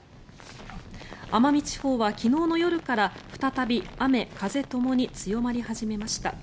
奄美地方は昨日の夜から再び雨風ともに強まり始めました。